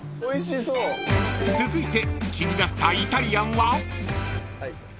［続いて気になったイタリアンは？］